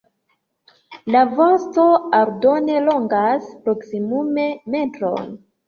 La vosto aldone longas proksimume metron.